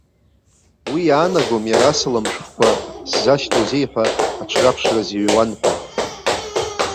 Уи иаанагом иара асалам шәҟәқәа сзашьҭоузеи ҳәа аҽраԥшраз иҩуан ҳәа.